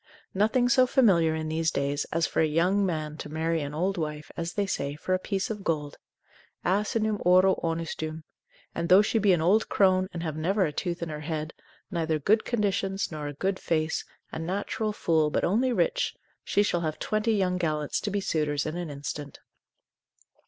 Nothing so familiar in these days, as for a young man to marry an old wife, as they say, for a piece of gold; asinum auro onustum; and though she be an old crone, and have never a tooth in her head, neither good conditions, nor a good face, a natural fool, but only rich, she shall have twenty young gallants to be suitors in an instant.